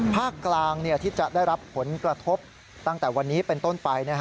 ภาคกลางที่จะได้รับผลกระทบตั้งแต่วันนี้เป็นต้นไป